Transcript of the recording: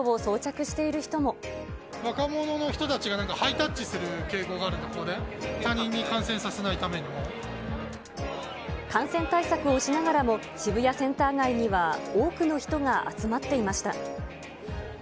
若者の人たちがハイタッチする傾向があるということで、感染対策をしながらも、渋谷センター街には多くの人が集まっていました。